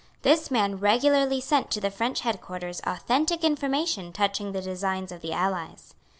This man regularly sent to the French headquarters authentic information touching the designs of the allies.